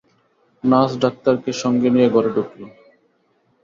Nurse ডাক্তারকে সঙ্গে নিয়ে ঘরে ঢুকল।